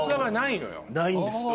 ないんです。